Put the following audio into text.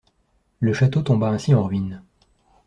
Le château tomba ainsi en ruine.